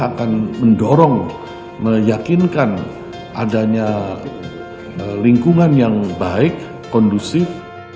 akan mendorong meyakinkan adanya lingkungan yang baik kondusif